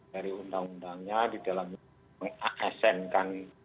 dari undang undangnya di dalam mengaksnkan